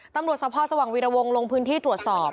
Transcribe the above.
ตำรวจสภสว่างวีรวงลงพื้นที่ตรวจสอบ